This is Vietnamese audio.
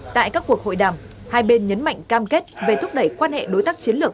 tại các cuộc hội đàm hai bên nhấn mạnh cam kết về thúc đẩy quan hệ đối tác chiến lược